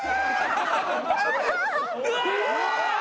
うわ！